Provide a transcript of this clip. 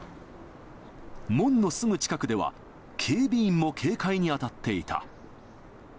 門のすぐ近くでは、警備員も警戒に当たっていた。